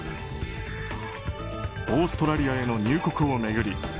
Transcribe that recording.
オーストラリアへの入国を巡り